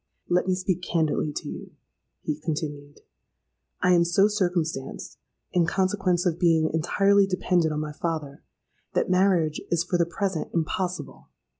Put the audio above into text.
'—'Let me speak candidly to you,' he continued. 'I am so circumstanced, in consequence of being entirely dependent on my father, that marriage is for the present impossible.